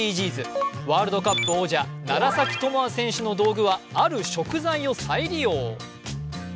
ワールドカップ王者楢崎智亜選手の道具はある食材を再利用。